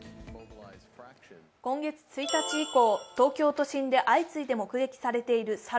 今月１日以降、東京都心で相次いで目撃されている猿。